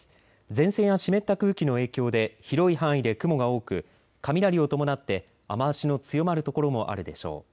前線や湿った空気の影響で広い範囲で雲が多く雷を伴って雨足の強まる所もあるでしょう。